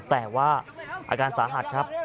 แต่ว่าอาการสาหัสครับ